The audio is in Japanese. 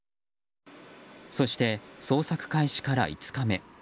そして、捜索開始から５日目。